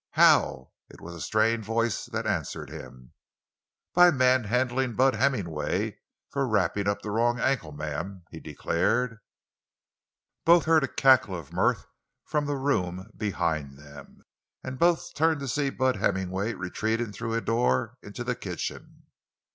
"How?" It was a strained voice that answered him. "By manhandling Bud Hemmingway for wrapping up the wrong ankle, ma'am!" he declared. Both heard a cackle of mirth from the room behind them. And both turned, to see Bud Hemmingway retreating through a door into the kitchen.